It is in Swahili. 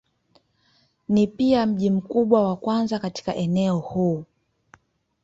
Ni pia mji mkubwa wa kwanza katika eneo huu.